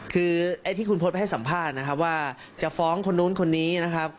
คือไอ้ที่คุณพศไปให้สัมภาษณ์นะครับว่าจะฟ้องคนนู้นคนนี้นะครับ